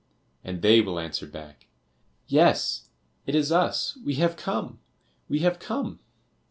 And they will answer back "Yes, it is us, we have come, we have come!"